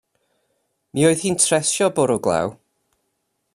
Mi oedd hi'n tresio bwrw glaw.